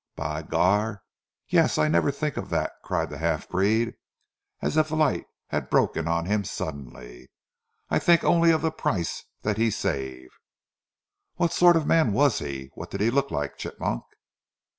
"By gar! Yees, I never tink of dat," cried the half breed as if a light had broken on him suddenly. "I tink onlee of zee price dat hee save." "What sort of a man was he? What did he look like, Chigmok?"